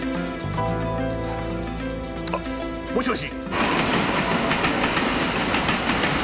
あっもしもし。